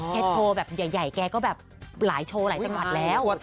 โชว์แบบใหญ่แกก็แบบหลายโชว์หลายจังหวัดแล้ว